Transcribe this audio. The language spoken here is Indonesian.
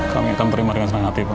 kami akan terima dengan senang hati pak